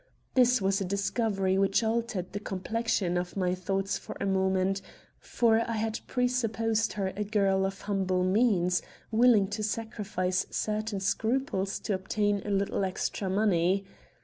This was a discovery which altered the complexion of my thoughts for a moment; for I had presupposed her a girl of humble means, willing to sacrifice certain scruples to obtain a little extra money.